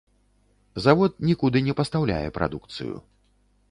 Завод нікуды не пастаўляе прадукцыю.